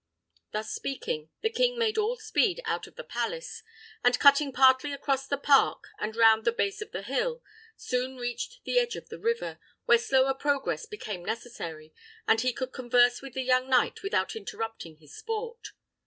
Thus speaking, the king made all speed out of the palace; and cutting partly across the park, and round the base of the hill, soon reached the edge of the river, where slower progress became necessary, and he could converse with the young knight without interrupting his sport.